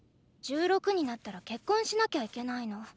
１６になったら結婚しなきゃいけないの。